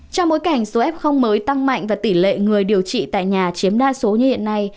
trong bối cảnh số f mới tăng mạnh và tỷ lệ người điều trị tại nhà chiếm đa số như hiện nay